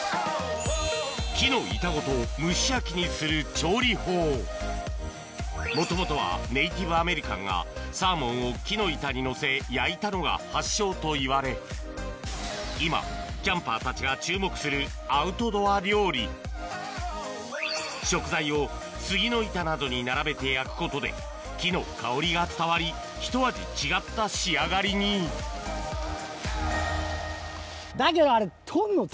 木の板ごと蒸し焼きにする調理法もともとはネイティブアメリカンがサーモンを木の板にのせ焼いたのが発祥といわれ今食材を杉の板などに並べて焼くことで木の香りが伝わりひと味違った仕上がりにだけど。